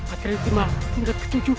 akhirnya itma tunduk ketujuh